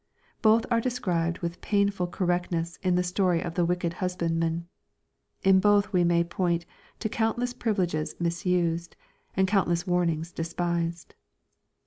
Both are described with painful correct ness in the story of the wicked husbandmen. In both we may point to countless privileges misused, and count less warnings despised.